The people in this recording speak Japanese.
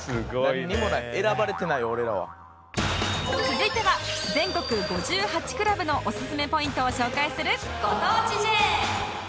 続いては全国５８クラブのおすすめポイントを紹介するご当地 Ｊ